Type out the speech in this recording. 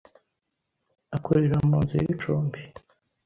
Akurira mu nzu y'icumbi